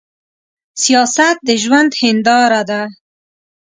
سياست د ژوند هينداره ده.